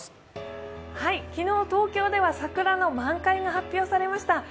昨日、東京では桜の満開が発表されました。